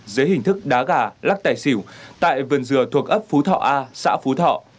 dưới hình thức đá gà lắc tài xỉu tại vườn dừa thuộc ấp phú thọ a xã phú thọ